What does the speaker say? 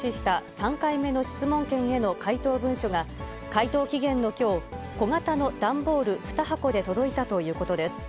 ３回目の質問権への回答文書が、回答期限のきょう、小型の段ボール２箱で届いたということです。